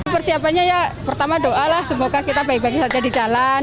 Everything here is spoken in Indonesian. persiapannya ya pertama doa lah semoga kita baik baik saja di jalan